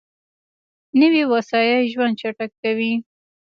نوې وسایط ژوند چټک کوي